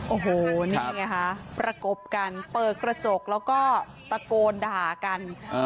โอ้โหนี่ไงฮะประกบกันเปิดกระจกแล้วก็ตะโกนด่ากัน